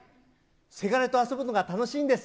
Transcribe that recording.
せがれと遊ぶのが楽しいんです。